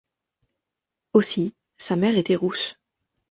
Aussi, sa mère était rousse.